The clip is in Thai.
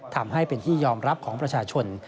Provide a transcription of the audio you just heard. ทำให้เป็นที่ยอมรับของประชาชน